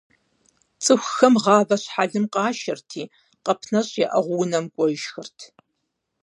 ЦӀыхухэм гъавэ щхьэлым къашэрти, къэп нэщӀ яӀыгъыу унэм кӀуэжхэрт.